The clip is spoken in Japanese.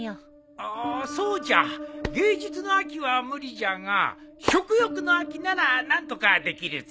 ああそうじゃ芸術の秋は無理じゃが食欲の秋なら何とかできるぞ。